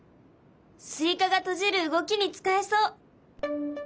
スイカが閉じる動きに使えそう。